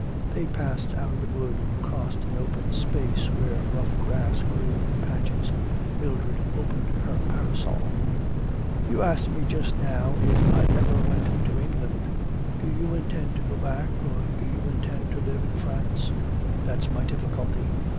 They passed out of the wood and crossed an open space where rough grass grew in patches. Mildred opened her parasol. 'You asked me just now if I ever went to England. Do you intend to go back, or do you intend to live in France?' 'That's my difficulty.